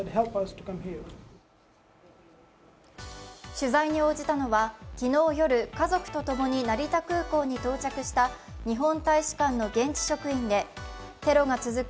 取材に応じたのは昨日夜、家族と共に成田空港に到着した日本大使館の現地職員で、テロが続く